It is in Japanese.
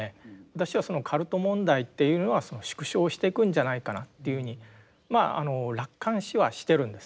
私はカルト問題っていうのは縮小していくんじゃないかなというふうにまあ楽観視はしてるんですね。